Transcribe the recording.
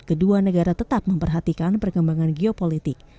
kedua negara tetap memperhatikan perkembangan geopolitik